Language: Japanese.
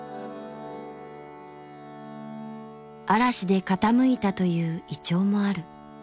嵐で傾いたという銀杏もある。